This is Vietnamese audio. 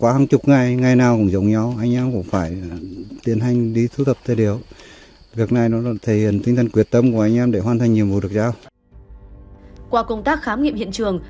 và các đơn vị nghiệp vụ tổ chức khám nghiệm hiện trường